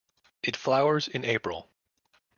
It flowers in April.